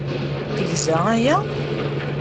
Tegza aya?